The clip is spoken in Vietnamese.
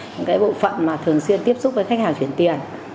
những bộ phận thường xuyên tiếp xúc với khách hàng chuyển tiền